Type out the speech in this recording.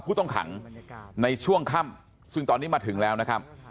ผู้ต้องขังในช่วงค่ำซึ่งตอนนี้มาถึงแล้วนะครับ